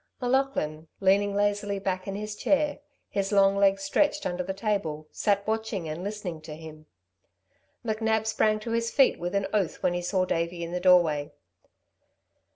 M'Laughlin, leaning lazily back in his chair, his long legs stretched under the table, sat watching and listening to him. McNab sprang to his feet with an oath when he saw Davey in the doorway.